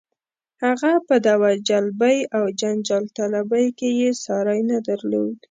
هغه په دعوه جلبۍ او جنجال طلبۍ کې یې ساری نه درلود.